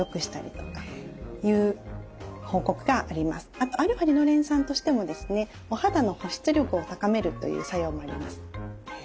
あとα−リノレン酸としてもですねお肌の保湿力を高めるという作用もあります。